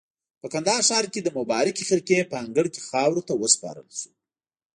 په کندهار ښار کې د مبارکې خرقې په انګړ کې خاورو ته وسپارل شو.